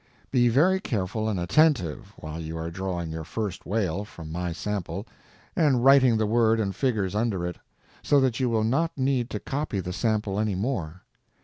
Be very careful and _attentive _while you are drawing your first whale from my sample and writing the word and figures under it, so that you will not need to copy the sample any more.